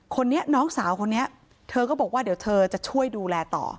คนนี้น้องสาวคนนี้เธอก็บอกว่าเดี๋ยวเธอจะช่วยดูแลต่อ